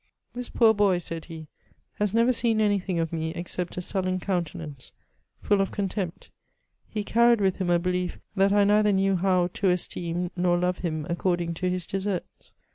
"This poor boy," said he, '' has never seen anything of me except a sullen countenance — fall of contempt ; he carried vrith him a behef, that I neither knew how to esteem nor love him according to his deserts.